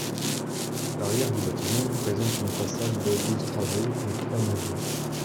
L'arrière du bâtiment présente une façade de douze travées et trois niveaux.